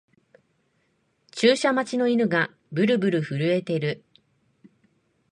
注射待ちの犬がブルブル震えてる